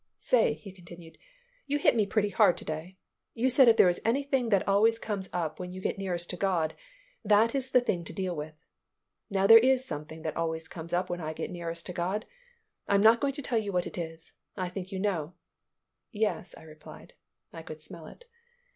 "Say," he continued, "you hit me pretty hard to day. You said if there was anything that always comes up when you get nearest to God, that is the thing to deal with. Now there is something that always comes up when I get nearest to God. I am not going to tell you what it is. I think you know." "Yes," I replied. (I could smell it.)